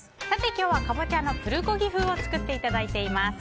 今日はカボチャのプルコギ風を作っていただいています。